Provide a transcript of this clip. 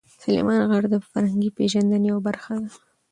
سلیمان غر د فرهنګي پیژندنې یوه برخه ده.